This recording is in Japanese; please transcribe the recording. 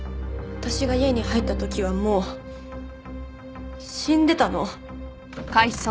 私が家に入った時はもう死んでたの！